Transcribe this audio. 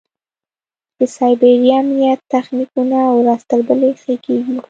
د سایبري امنیت تخنیکونه ورځ تر بلې ښه کېږي.